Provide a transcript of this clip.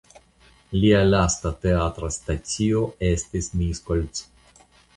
Lia lasta teatra stacio estis Miskolc.